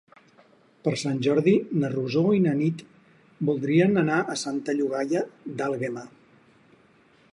Per Sant Jordi na Rosó i na Nit voldrien anar a Santa Llogaia d'Àlguema.